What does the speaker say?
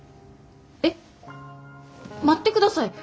えっ待ってください。